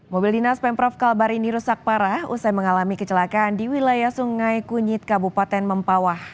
mobil dinas pemprov kalbar ini rusak parah usai mengalami kecelakaan di wilayah sungai kunyit kabupaten mempawah